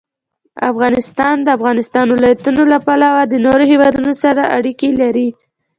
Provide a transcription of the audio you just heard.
افغانستان د د افغانستان ولايتونه له پلوه له نورو هېوادونو سره اړیکې لري.